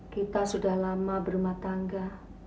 kita sudah lama berumah tangga